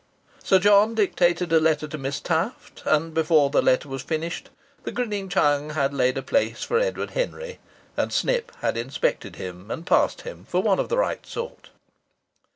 Sir John dictated a letter to Miss Taft, and before the letter was finished the grinning Chung had laid a place for Edward Henry, and Snip had inspected him and passed him for one of the right sort.